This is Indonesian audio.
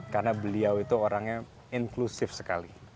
karena beliau itu orangnya inklusif sekali